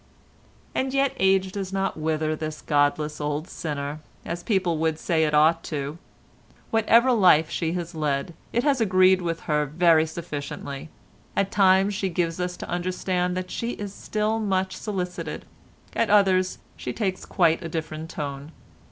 And yet age does not wither this godless old sinner, as people would say it ought to do. Whatever life she has led, it has agreed with her very sufficiently. At times she gives us to understand that she is still much solicited; at others she takes quite a different tone.